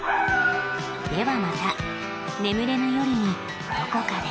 ではまた眠れぬ夜にどこかで。